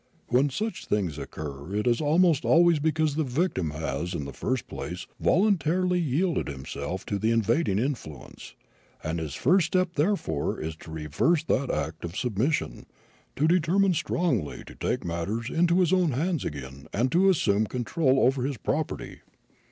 "When such things occur, it is almost always because the victim has in the first place voluntarily yielded himself to the invading influence, and his first step therefore is to reverse that act of submission, to determine strongly to take matters into his own hands again and to resume control over his property.